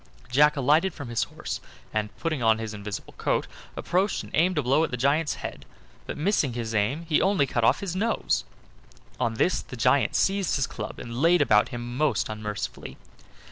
Jack alighted from his horse, and, putting on his invisible coat, approached and aimed a blow at the giant's head, but, missing his aim, he only cut off his nose. On this the giant seized his club and laid about him most unmercifully.